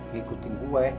ngikutin gue ya